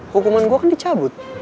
hukuman gue kan dicabut